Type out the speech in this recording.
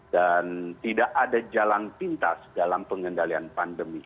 dan tidak ada jalan pintas dalam pengendalian pandemi